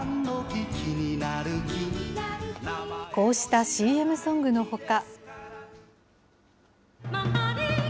こうしたＣＭソングのほか。